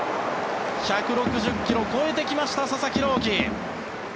１６０ｋｍを超えてきました佐々木朗希！